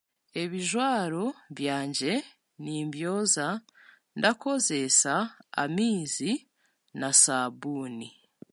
Ebijwaro byangye nibyoza ndakozesa amaizi na saabuuni